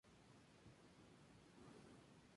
En Europa, preferentemente en media y alta montaña.